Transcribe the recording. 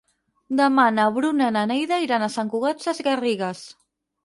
Demà na Bruna i na Neida iran a Sant Cugat Sesgarrigues.